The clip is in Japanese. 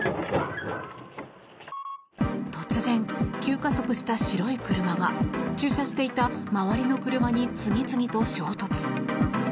突然、急加速した白い車が駐車していた周りの車に次々と衝突。